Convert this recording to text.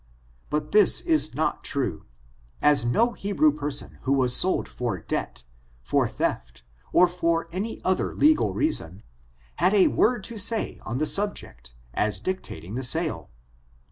But this is not true; as no Hebrew person who was sold for debt, for theft, or for any other legal reason, had a word to say on the subject, as dictating the sale.